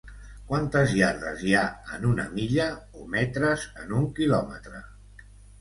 Quantes iardes hi ha en una milla, o metres en un quilòmetre?